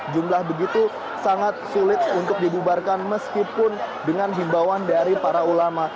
jumlah begitu sangat sulit untuk dibubarkan meskipun dengan himbawan dari para ulama